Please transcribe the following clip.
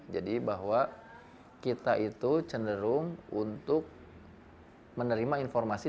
jadi bahwa kita itu cenderung untuk menerima informasi